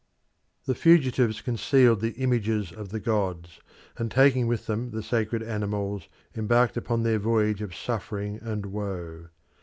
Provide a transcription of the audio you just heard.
The fugitives concealed the images of the gods, and taking with them the sacred animals, embarked upon their voyage of suffering and woe.